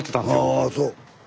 ああそう。